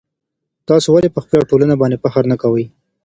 تاسو ولي په خپله پوهنه باندي فخر نه کوئ؟